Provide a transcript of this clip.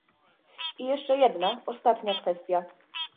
I jeszcze jedna, ostatnia kwestia